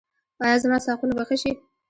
ایا زما ساقونه به ښه شي؟